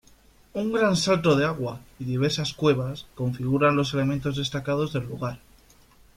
Un gran salto de agua y diversas cuevas configuran los elementos destacados del lugar.